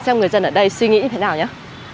xem người dân ở đây suy nghĩ như thế nào nhé